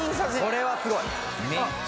・・これはすごい！